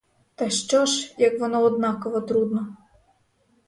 Так що ж, як воно однаково трудно.